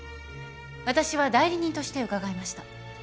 私は代理人として伺いました。